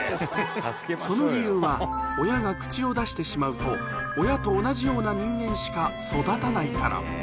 その理由は、親が口を出してしまうと、親と同じような人間しか育たないから。